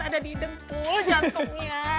ada di dengkul jantungnya